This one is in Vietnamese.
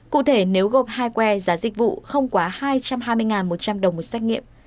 cụ thể nếu gộp hai que giá dịch vụ không quá hai trăm hai mươi một trăm linh đồng một xét nghiệm